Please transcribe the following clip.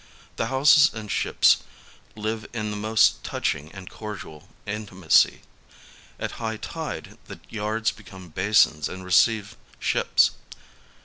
The houses and ships live in the most touching and cordial inti macy : at high tide the yards become basins and receive ships.